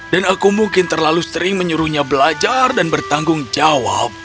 dan aku mungkin terlalu sering menyuruhnya belajar dan bertanggung jawab